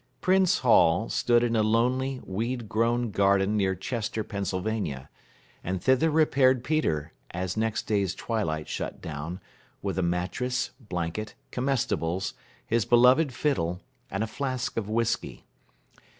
Printz Hall stood in a lonely, weed grown garden near Chester, Pennsylvania, and thither repaired Peter, as next day's twilight shut down, with a mattress, blanket, comestibles, his beloved fiddle, and a flask of whiskey.